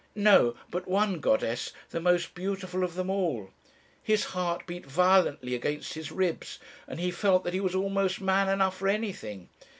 No, but one goddess, the most beautiful of them all. His heart beat violently against his ribs, and he felt that he was almost man enough for anything.